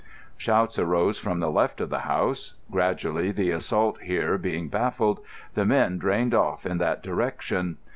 Shouts arose from the left of the house. Gradually, the assault here being baffled, the men drained off in that direction.